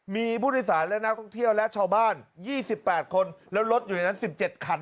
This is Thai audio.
มีผู้ทศาลและนักท่องเที่ยวและชาวบ้านยี่สิบแปดคนแล้วรถอยู่ในนั้นสิบเจ็ดคัน